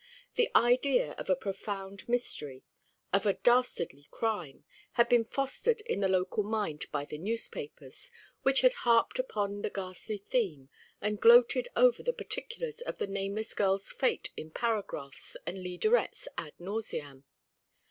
The idea of a profound mystery of a dastardly crime had been fostered in the local mind by the newspapers, which had harped upon the ghastly theme, and gloated over the particulars of the nameless girl's fate in paragraphs and leaderettes ad nauseam.